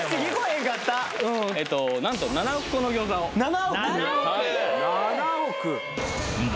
へんかった何と７億個の餃子を７億！？